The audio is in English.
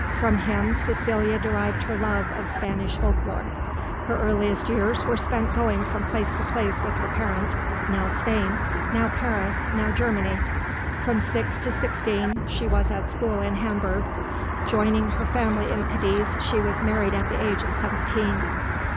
From him Cecilia derived her love of Spanish folk lore. Her earliest years were spent going from place to place with her parents, now Spain, now Paris, now Germany. From six to sixteen she was at school in Hamburg. Joining her family in Cadiz, she was married at the age of seventeen.